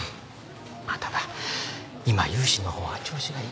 まあただ今融資のほうは調子がいいからね。